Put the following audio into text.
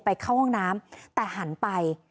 เข้าห้องน้ำแต่หันไป